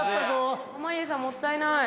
濱家さんもったいない。